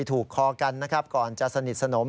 ถูกคอกันนะครับก่อนจะสนิทสนม